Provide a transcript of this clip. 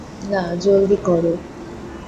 না, জলদি কর।